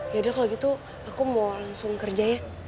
yaudah kalau gitu aku mau langsung kerja ya